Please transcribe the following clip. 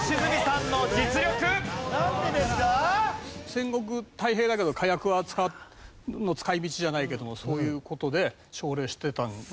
戦国太平だけど火薬の使い道じゃないけどもそういう事で奨励してたのかな？